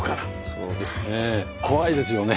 そうですね。